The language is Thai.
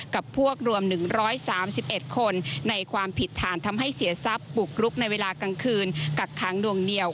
กับพวกรวม๑๓๑คนในความผิดฐานทำให้เสียทรัพย์บุกรุกในเวลากลางคืนกักค้างดวงเหนียว